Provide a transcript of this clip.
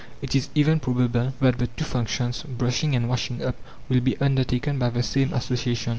It is even probable that the two functions, brushing and washing up, will be undertaken by the same association.